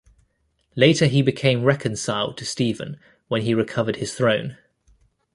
Later he became reconciled to Stephen when he recovered his throne.